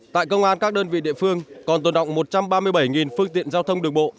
tại công an các đơn vị địa phương còn tồn động một trăm ba mươi bảy phương tiện giao thông đường bộ